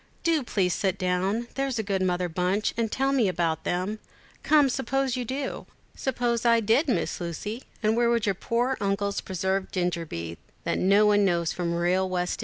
"Do please sit down, there's a good Mother Bunch, and tell me all about them? Come, suppose you do." "Suppose I did, Miss Lucy, and where would your poor uncle's preserved ginger be, that no one knows from real West Indian?"